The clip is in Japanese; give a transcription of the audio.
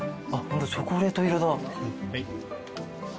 チョコレート色だ。